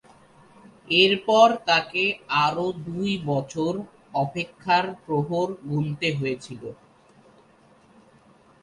এরপর তাকে আরও দুই বছর অপেক্ষার প্রহর গুণতে হয়েছিল।